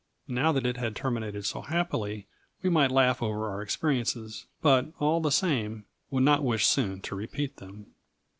Now that it had terminated so happily we might laugh over our experiences, but, all the same, would not wish soon to repeat them.